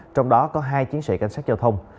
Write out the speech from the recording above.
trong đó có hai chiến sĩ cảnh sát giao thông